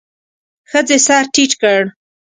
ښځې سر ټيت کړ.